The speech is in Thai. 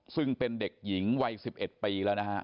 ซึ่งเป็นเด็กหญิงวัย๑๑ปีแล้วนะฮะ